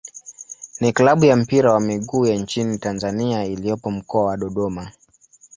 ni klabu ya mpira wa miguu ya nchini Tanzania iliyopo Mkoa wa Dodoma.